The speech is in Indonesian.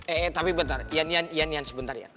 eee tapi bentar ian ian ian ian sebentar ya